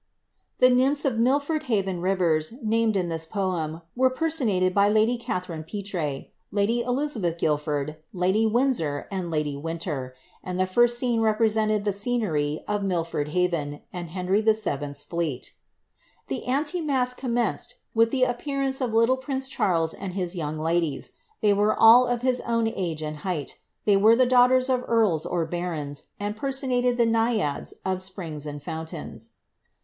'* The nymphs of the Milford Haven rivers, named in this poem, were personated by lady Katharine Petre, lady Elizabeth Guildford, lady winsor, and lady Winter; and the first scene represented the scenery of Milford Haven, and Henry VIPs fleet. The anti masque commenced with the appearance of little prince Charles and his young ladies ; they were all of his own age and height; they were the daughters of earls or barons, and personated the naiads of springs and fountains.